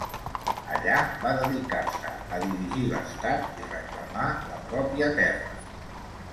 Allà, va dedicar-se a dirigir l'estat i reclamar la pròpia terra.